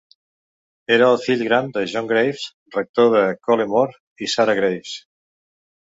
Era el fill gran de John Greaves, rector de Colemore, i Sarah Greaves.